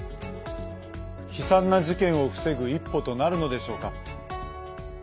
悲惨な事件を防ぐ一歩となるのでしょうか。